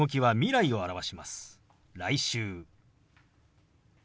「来週」。